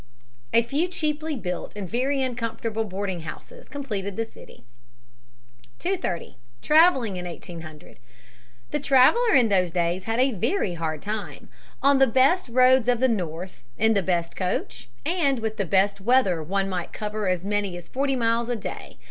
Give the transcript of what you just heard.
A few cheaply built and very uncomfortable boarding houses completed the city. [Sidenote: Roads, coaches, and inns.] [Sidenote: Traveling by water.] 230. Traveling in 1800. The traveler in those days had a very hard time. On the best roads of the north, in the best coach, and with the best weather one might cover as many as forty miles a day.